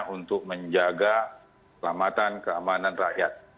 untuk menjaga selamatan keamanan rakyat